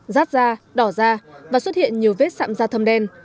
rát da đỏ da và xuất hiện nhiều vết sạm da thâm đen